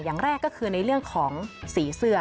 อย่างแรกก็คือในเรื่องของสีเสื้อ